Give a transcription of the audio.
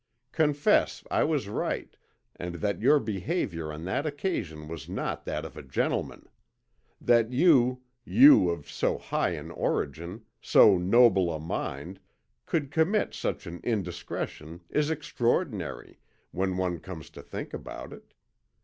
Confess I was right, and that your behaviour on that occasion was not that of a gentleman. That you, you of so high an origin, so noble a mind, could commit such an indiscretion is extraordinary, when one comes to think about it.